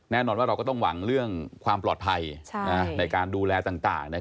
แน่นอนว่าเราก็ต้องหวังเรื่องความปลอดภัยในการดูแลต่าง